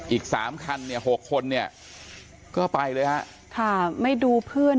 อีกสามคันเนี่ยหกคนเนี่ยก็ไปเลยฮะค่ะไม่ดูเพื่อน